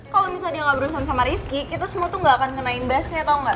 kalau misal dia gak berusaha sama rifqi kita semua tuh gak akan kenain bassnya tau gak